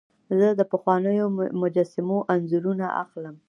زه د پخوانیو مجسمو انځورونه اخلم.